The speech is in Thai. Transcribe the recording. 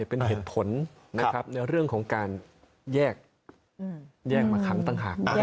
เป็นเหตุผลนะครับในเรื่องของการแยกมาขังต่างหาก